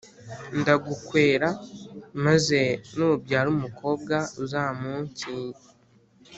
Ndagukwera, maze nubyara umukobwa uzamushyingire umwana wange